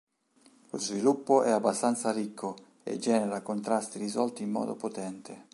Lo sviluppo è abbastanza ricco, e genera contrasti risolti in modo potente.